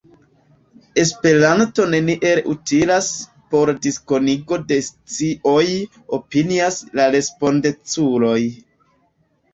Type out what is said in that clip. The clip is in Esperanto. Esperanto neniel utilas por diskonigo de scioj, opinias la respondeculoj.